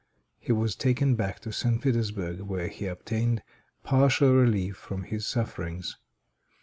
He was taken back to St. Petersburg, where he obtained partial relief from his sufferings.